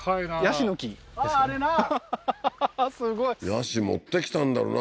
ヤシ持ってきたんだろうな